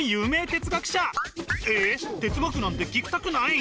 哲学なんて聞きたくない？